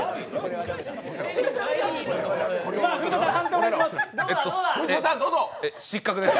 文田さん、判定をお願いします。